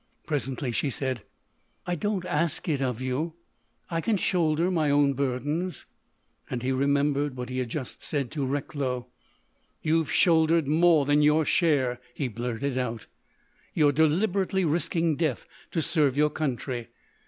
Presently she said: "I don't ask it of you. I can shoulder my own burdens." And he remembered what he had just said to Recklow. "You've shouldered more than your share," he blurted out. "You are deliberately risking death to serve your country.